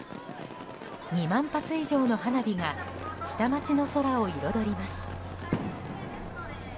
２万発以上の花火が下町の空を彩ります。